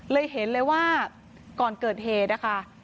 เห็นเลยว่าก่อนเกิดเหตุนะคะ